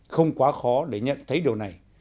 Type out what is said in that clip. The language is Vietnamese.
không quá khó để nhận thấy điều này